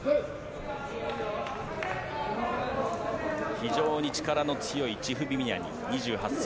非常に力の強いチフビミアニ、２８歳。